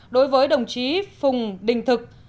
đối với đồng chí phùng đình thực